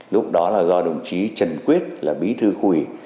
lúc đó là do đồng chí trần quyết là bí thư khu ủy